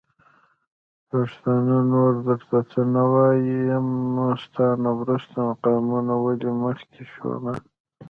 پښتونه نور درته څه نه وايم.. ستا نه وروستی قامونه ولي مخکې شو نه